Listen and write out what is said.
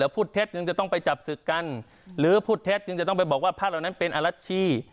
พูดเท็จจึงจะต้องไปจับศึกกันหรือพูดเท็จจึงจะต้องไปบอกว่าพระเหล่านั้นเป็นอรัชชี่